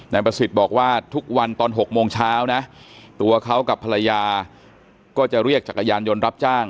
ประสิทธิ์บอกว่าทุกวันตอน๖โมงเช้านะตัวเขากับภรรยาก็จะเรียกจักรยานยนต์รับจ้าง